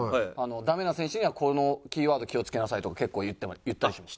ダメな選手にはこのキーワード気をつけなさいとか結構言ったりします。